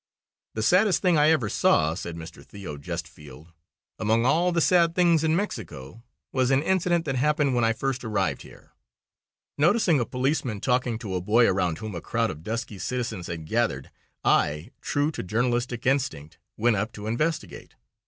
"The saddest thing I ever saw," said Mr. Theo. Gestefeld, "among all the sad things in Mexico, was an incident that happened when I first arrived here. Noticing a policeman talking to a boy around whom a crowd of dusky citizens had gathered, I, true to journalistic instinct, went up to investigate.